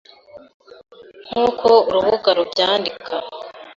nk’uko urubuga rubyandika.